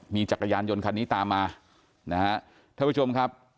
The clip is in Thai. มีจักรยานยนต์คันนี้ตามมานะฮะท่านผู้ชมครับ